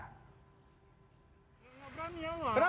kenapa gak berani